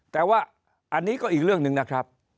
แต่ว่าอันนี้ก็อีกเรื่องหนึ่งนะครับ